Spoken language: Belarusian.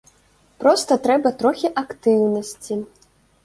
Проста трэба трохі актыўнасці.